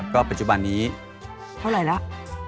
ก็ปัจจุบันนี้เท่าไหร่แล้ว